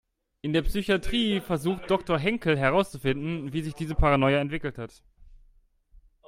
In der Psychatrie versucht Doktor Henkel herauszufinden, wie sich diese Paranoia entwickelt hat.